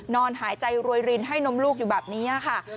นอนหายใจรวยรินให้นมลูกอยู่แบบนี้ค่ะ